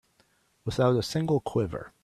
Without a single quiver.